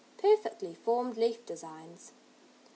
Perfectly formed leaf designs.